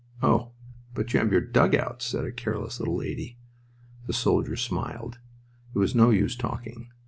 "Oh, but you have your dugouts!" said a careless little lady. The soldier smiled. It was no use talking.